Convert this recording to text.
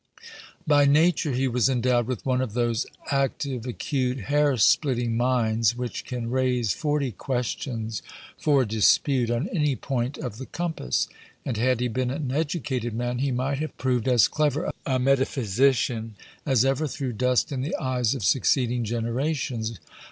By nature he was endowed with one of those active, acute, hair splitting minds, which can raise forty questions for dispute on any point of the compass; and had he been an educated man, he might have proved as clever a metaphysician as ever threw dust in the eyes of succeeding generations.